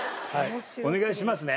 お願いしますね。